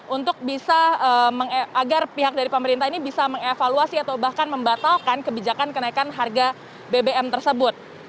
untuk bisa agar pihak dari pemerintah ini bisa mengevaluasi atau bahkan membatalkan kebijakan kenaikan harga bbm tersebut